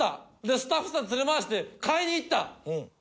スタッフさん連れ回して買いに行った。